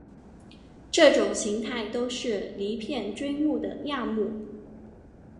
这种形态都是离片锥目的亚目。